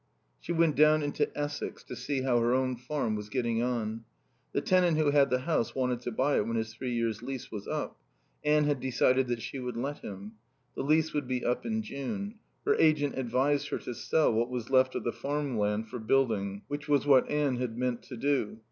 She went down into Essex, to see how her own farm was getting on. The tenant who had the house wanted to buy it when his three years' lease was up. Anne had decided that she would let him. The lease would be up in June. Her agent advised her to sell what was left of the farm land for building, which was what Anne had meant to do.